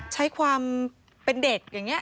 ใช้ความเป็นเด็กอย่างนี้